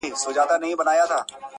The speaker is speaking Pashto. شمع كوچ سوه د محفل له ماښامونو؛